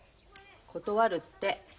断るって。